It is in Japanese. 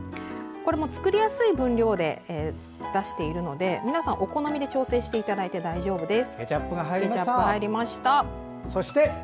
これも作りやすい分量で出しているので皆さんお好みで調整していただいて大丈夫です。